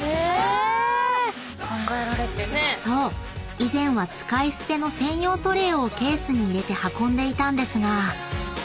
以前は使い捨ての専用トレーをケースに入れて運んでいたんですが］